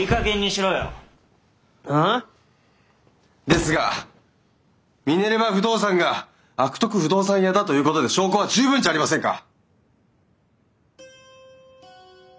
ですがミネルヴァ不動産が悪徳不動産屋だということで証拠は十分じゃありませんか！